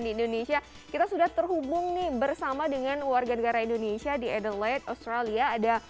di indonesia kita sudah terhubung nih bersama dengan warga negara indonesia di adelaide australia ada